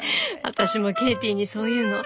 私もケイティにそう言うの。